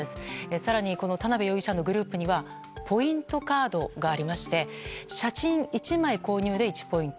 更に、田辺容疑者のグループにはポイントカードがありまして写真１枚購入で１ポイント。